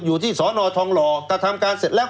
อยู่ที่สอนอทองหล่อถ้าทำการเสร็จแล้ว